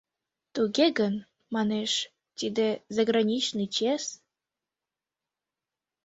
— Туге гын, манеш, тиде заграничный чес...